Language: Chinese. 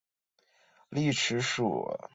栗齿鼩鼱为鼩鼱科鼩鼱属的动物。